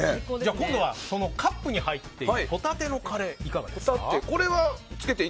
今度はカップに入っているホタテのカレーを。